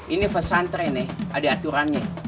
ini pesantren nih ada aturannya